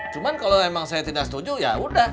cuman kalau emang saya tidak setuju yaudah